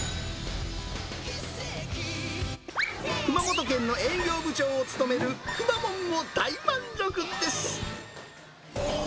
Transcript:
熊本県の営業部長を務めるくまモンも大満足です。